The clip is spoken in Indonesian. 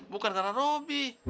bukan karena robi